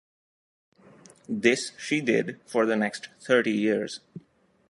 This she did for the next thirty years.